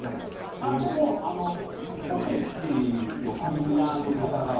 あっでもポテチのクリーナーのネタがあるんです